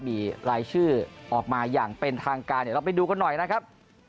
มีรายชื่อออกมาอย่างเป็นทางการเดี๋ยวเราไปดูกันหน่อยนะครับ